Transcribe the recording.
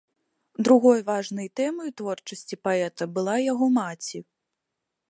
Другой важнай тэмай у творчасці паэта была яго маці.